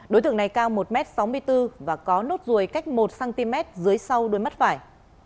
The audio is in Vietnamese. đối tượng này cao một m sáu mươi bốn và có nốt ruồi cách một cm dưới sau đôi mắt vải